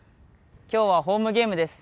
今日はホームゲームです。